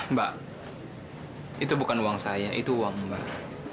mbak itu bukan uang saya itu uang mbak